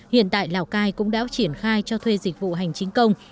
hiện tại lào cai cũng đã triển khai cho thuê dịch vụ hành chính công